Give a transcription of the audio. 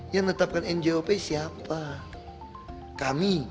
yang menetapkan njop siapa kami